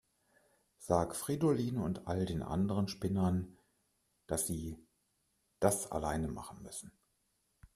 Sag Fridolin und all den anderen Spinnern, dass sie das alleine machen müssen.